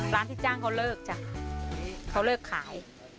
ร้านที่จ้างเขาเลิกจ้ะเขาเลิกขาย